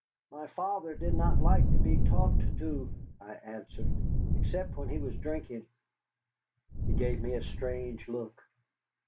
"My father did not like to be talked to," I answered, "except when he was drinking." He gave me a strange look.